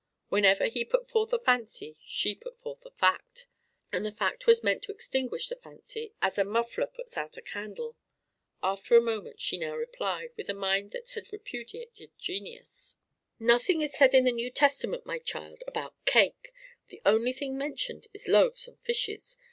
Whenever he put forth a fancy, she put forth a fact; and the fact was meant to extinguish the fancy as a muffler puts out a candle. After a moment she now replied with a mind that had repudiated genius: "Nothing is said in the New Testament, my child, about cake. The only thing mentioned is loaves and fishes.